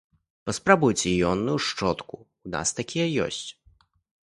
Паспрабуйце іонную шчотку, у нас такія ёсць.